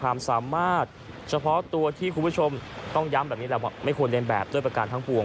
เพราะตัวที่คุณผู้ชมต้องย้ำแบบนี้แหละไม่ควรเรียนแบบด้วยประการทั้งปวง